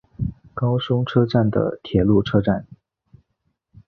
高松车站的铁路车站。